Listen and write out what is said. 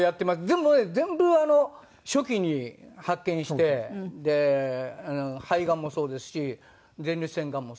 でもね全部初期に発見して肺がんもそうですし前立腺がんもそうだし。